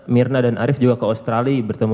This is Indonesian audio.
mirna dan arief juga ke australia bertemu